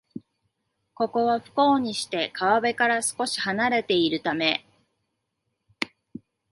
ここは、不幸にして川辺から少しはなれているため